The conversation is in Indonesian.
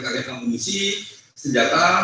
karya komunisi senjata